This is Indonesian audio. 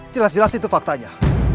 jelas jelas itu faktanya